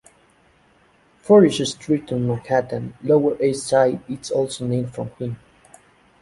Forsyth Street on Manhattan's Lower East Side is also named for him.